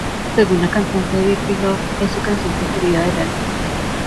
Según la cantante, "Dirty Love" es su canción preferida del álbum.